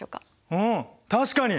うん確かに！